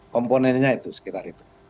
komponennya itu sekitar itu